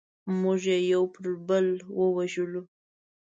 موږ یې یو پر بل ووژلو.